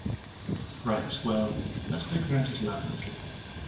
Right, well let's poke around his lab a little.